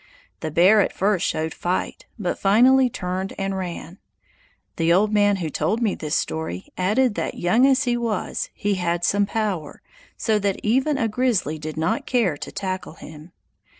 The bear at first showed fight but finally turned and ran. The old man who told me this story added that young as he was, he had some power, so that even a grizzly did not care to tackle him.